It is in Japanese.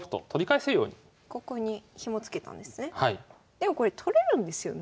でもこれ取れるんですよね。